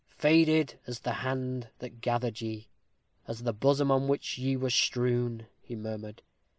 "Faded as the hand that gathered ye as the bosom on which ye were strewn!" he murmured.